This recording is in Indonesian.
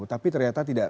tapi ternyata tidak